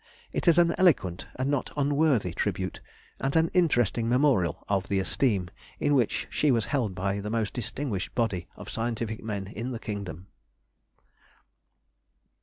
It is an eloquent and not unworthy tribute, and an interesting memorial of the esteem in which she was held by the most distinguished body of scientific men in the kingdom.